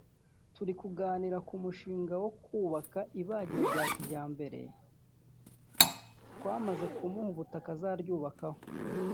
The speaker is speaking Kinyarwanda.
turi kuganira ku mushinga wo kubaka ibagiro rya kijyambere twamaze kumuha ubutaka azaryubakaho